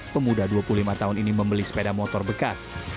pemuda dua puluh lima tahun ini membeli sepeda motor bekas